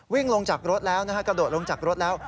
วิ่งลงจากรถแล้วนะฮะกระโดดลงจากรถแล้ว